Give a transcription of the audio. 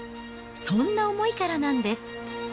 そんな思いからなんです。